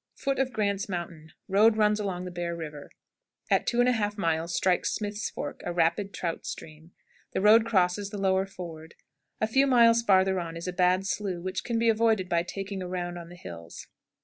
Foot of Grant's Mountain. Road runs along Bear River; at 2 1/2 miles strikes Smith's Fork, a rapid trout stream. The road crosses the lower ford. A few miles farther on is a bad slough, which can be avoided by taking a round on the hills.